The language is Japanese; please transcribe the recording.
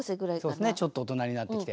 そうですねちょっと大人になってきて。